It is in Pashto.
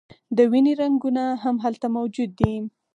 د وینې رګونه هم هلته موجود دي.